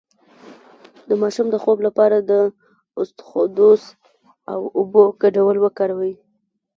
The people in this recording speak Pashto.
د ماشوم د خوب لپاره د اسطوخودوس او اوبو ګډول وکاروئ